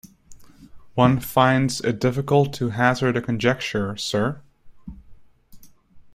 One finds it difficult to hazard a conjecture, sir.